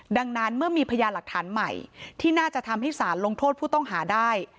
ดังนั้นเมื่อมีพยานหลักฐานใหม่ที่น่าจะทำให้สารลงโทษผู้ต้องหาได้